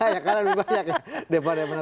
yang kalah lebih banyak ya